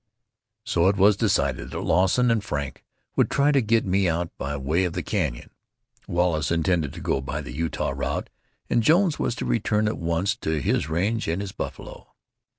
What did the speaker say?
So it was decided that Lawson and Frank would try to get me out by way of the canyon; Wallace intended to go by the Utah route, and Jones was to return at once to his range and his buffalo.